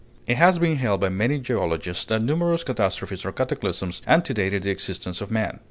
It has been held by many geologists that numerous catastrophes or cataclysms antedated the existence of man.